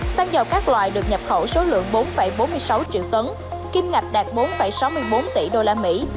xăng dầu các loại được nhập khẩu số lượng bốn bốn mươi sáu triệu tấn kim ngạch đạt bốn sáu mươi bốn tỷ đô la mỹ